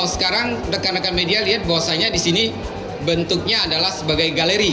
sekarang rekan rekan media lihat bahwasannya di sini bentuknya adalah sebagai galeri